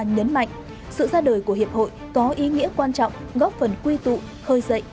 nhấn mạnh sự ra đời của hiệp hội có ý nghĩa quan trọng góp phần quy tụ khơi dậy